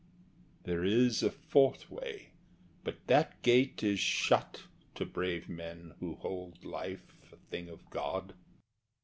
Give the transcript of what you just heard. (Pauses.) There is a fourth way; but that gate is shut To brave men who hold life a thing of God.